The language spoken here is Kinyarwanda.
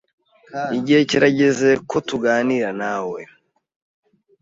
Igihe kirageze ko tuganira nawe